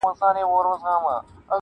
• هر نظر دي زما لپاره د فتنو دی..